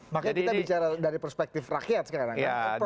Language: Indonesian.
makanya kita bicara dari perspektif rakyat sekarang